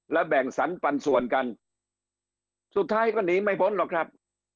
และแบ่งสรรปันส่วนกันสุดท้ายก็หนีไม่พ้นหรอกครับ